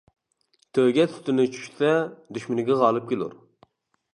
تۆگە سۈتىنى چۈشىسە، دۈشمىنىگە غالىب كېلۇر.